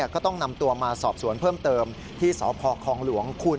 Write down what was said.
ก็ต้องนำตัวมาสอบสวนเพิ่มเติมที่สพคลองหลวงคุณ